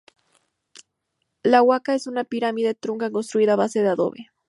La huaca es una pirámide trunca construida a base de adobe.